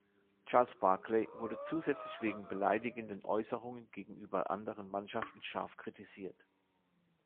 Charles Barkley wurde zusätzlich wegen beleidigenden Äußerungen gegenüber anderen Mannschaften scharf kritisiert.